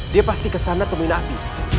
dia pasti ke sana teman api